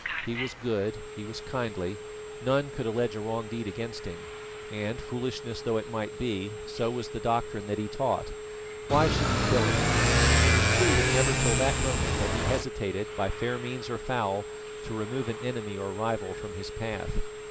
He was good, he was kindly, none could allege a wrong deed against him; and, foolishness though it might be, so was the doctrine that he taught. Why should he kill him? It was true that never till that moment had he hesitated, by fair means or foul, to remove an enemy or rival from his path.